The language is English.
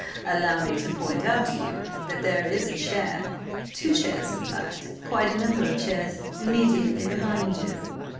"Allow me to point out to you that there is a chair–two chairs–in fact, quite a number of chairs–immediately behind you."